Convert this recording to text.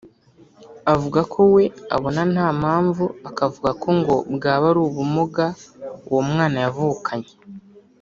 avuga ko we abona nta mpamvu akavuga ko ngo bwaba ari ubumuga uwo mwana yavukanye